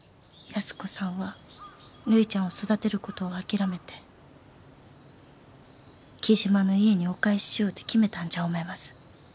安子さんはるいちゃんを育てることを諦めて雉真の家にお返ししようと決めたんじゃ思います。